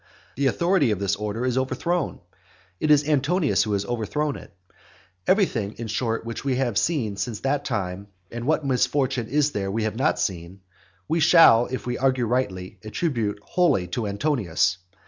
The authority of this order is overthrown; it is Antonius who has overthrown it. Everything, in short, which we have seen since that time, (and what misfortune is there that we have not seen?) we shall, if we argue rightly, attribute wholly to Antonius.